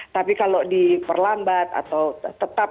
tapi kalau diperlambat atau tetap